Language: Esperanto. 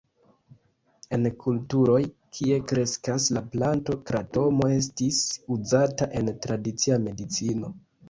En kulturoj, kie kreskas la planto, kratomo estis uzata en tradicia medicino.